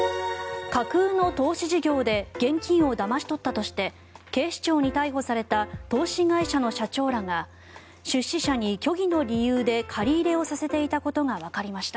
架空の投資事業で現金をだまし取ったとして警視庁に逮捕された投資会社の社長らが出資者に虚偽の理由で借り入れをさせていたことがわかりました。